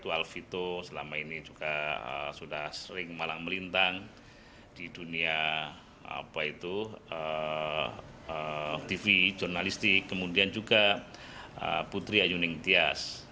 alfito selama ini juga sudah sering malang melintang di dunia tv jurnalistik kemudian juga putri ayuning tias